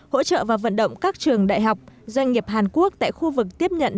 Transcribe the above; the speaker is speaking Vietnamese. hỗ trợ và vận động các trường đại học doanh nghiệp hàn quốc tại khu vực tiếp nhận